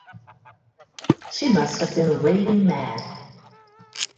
She must have been raving mad.